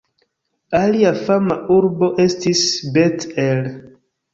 Alia fama urbo estis Bet-El.